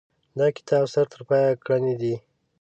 دا کتاب سر ترپایه ګړنې دي.